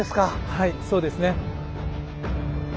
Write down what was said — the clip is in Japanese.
はいそうですね。